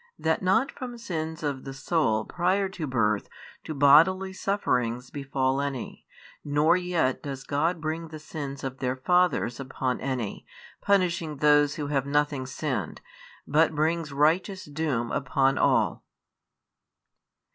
That not from sins of the soul prior to birth do bodily sufferings befal any, nor yet does God bring the sins of their fathers upon any, punishing those who have nothing sinned, but brings righteous doom upon all.